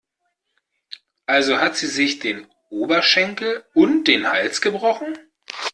Also hat sie sich den Oberschenkel und den Hals gebrochen?